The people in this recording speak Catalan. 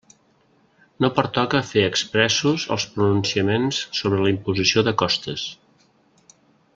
No pertoca fer expressos els pronunciaments sobre la imposició de costes.